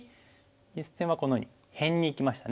実戦はこのように辺にいきましたね。